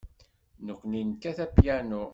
Nekkni nekkat apyanu.